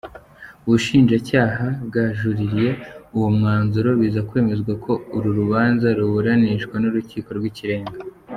Ubushinjacyaha bwajuririye uwo mwanzuro biza kwemezwa ko uru rubanza ruburanishwa n’Urukiko rw’Ikirenga.